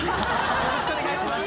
よろしくお願いします。